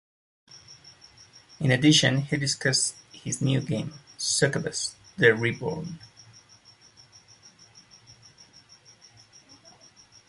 In addition he discussed his new game "Succubus: The Reborn".